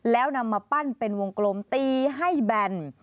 แล้วนำมาปั้นเป็นวงกลมตีให้แบน